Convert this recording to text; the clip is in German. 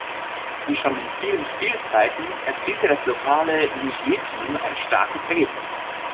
Wie schon in vielen Spielzeiten erzielte das lokale Ligier-Team ein starkes Ergebnis.